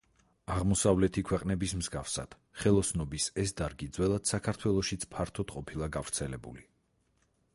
აღმოსავლეთი ქვეყნების მსგავსად ხელოსნობის ეს დარგი ძველად საქართველოშიც ფართოდ ყოფილა გავრცელებული.